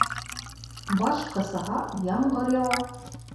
Баш ҡысыһа, ямғыр яуа.